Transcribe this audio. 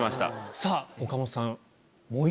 さぁ岡本さん。